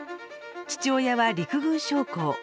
父親は陸軍将校。